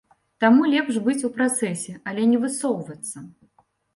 Таму лепш быць у працэсе, але не высоўвацца.